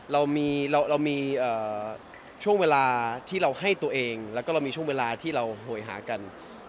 เรามีช่วงเวลาที่เราให้ตัวเองแล้วก็เรามีช่วงเวลาที่เราโหยหากัน